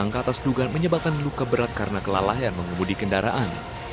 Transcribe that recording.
tersangka atas duga menyebabkan luka berat karena kelala yang mengemudi kendaraan